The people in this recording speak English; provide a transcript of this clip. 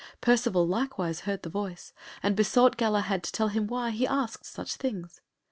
Percivale likewise heard the voice, and besought Galahad to tell him why he asked such things.